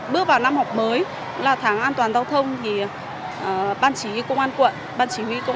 bước vào năm học mới là tháng an toàn giao thông thì ban chỉ huy công an quận